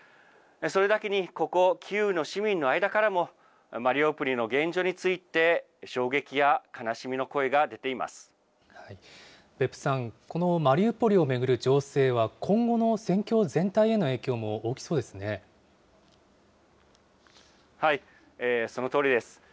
それだけにここ、キーウの市民の間からも、マリウポリの現状について、衝撃や悲しみの声が出てい別府さん、このマリウポリを巡る情勢は今後の戦況全体への影響も大きそうでそのとおりです。